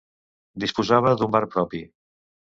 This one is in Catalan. Disposava d'un bar propi.